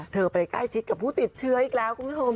ไปใกล้ชิดกับผู้ติดเชื้ออีกแล้วคุณผู้ชม